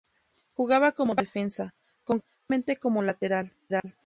Jugaba como defensa, concretamente como lateral.